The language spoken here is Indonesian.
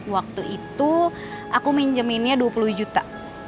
waktu itu aku minjeminnya dua puluh juta